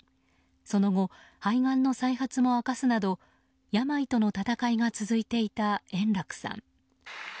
その後肺がんの再発も明かすなど病との闘いが続いていた円楽さん。